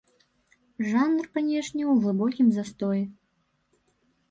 Жанр, канешне, у глыбокім застоі.